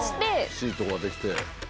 シートができて。